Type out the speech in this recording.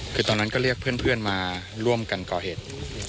คือตอนนั้นก็เรียกเพื่อนมาร่วมกันก่อเหตุ